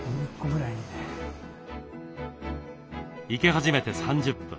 生け始めて３０分。